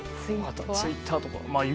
あとツイッターとか。